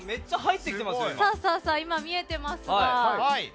今見えていますが。